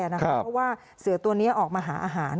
เพราะว่าเสือตัวนี้ออกมาหาอาหาร